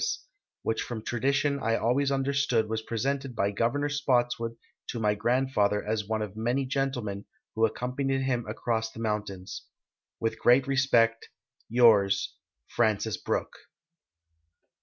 s,' which from tradition I always understood was presented by Governor Spottswood to my grandfather as one of many gentlemen who accompanied him across the mountains. " With great respect, yours, " Francis Brooke."